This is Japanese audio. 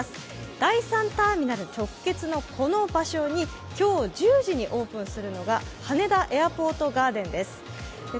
第３ターミナル直結のこの場所に今日１０時にオープンするのが羽田エアポートガーデンです。